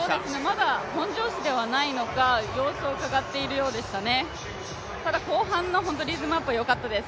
まだ本調子ではないのか、様子をうかがっているようでしたね。